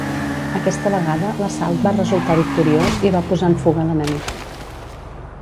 Aquesta vegada l'assalt va resultar victoriós i va posar en fuga l'enemic.